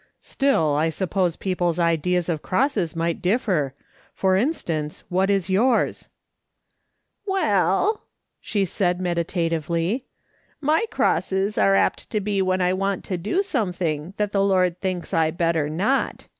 " Still, I suppose people's ideas of crosses might differ. For instance, what is yours ?"" Well," she said, meditatively, " my crosses are apt to be when I want to do something that the Lord thinks I better not.